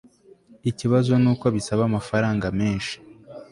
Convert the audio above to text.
Ikibazo nuko bisaba amafaranga menshi